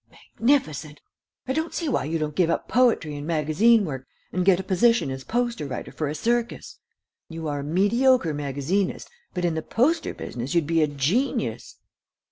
"Magnificent. I don't see why you don't give up poetry and magazine work and get a position as poster writer for a circus. You are only a mediocre magazinist, but in the poster business you'd be a genius."